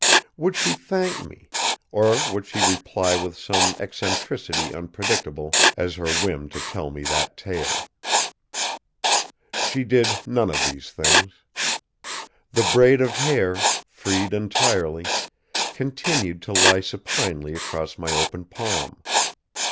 Would she thank me, or would she reply with some eccentricity unpredictable as her whim to tell me that tale? She did none of these things. The braid of hair, freed entirely, continued to lie supinely across my open palm.